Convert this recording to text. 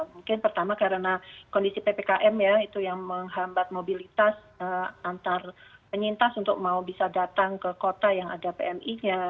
mungkin pertama karena kondisi ppkm ya itu yang menghambat mobilitas antar penyintas untuk mau bisa datang ke kota yang ada pmi nya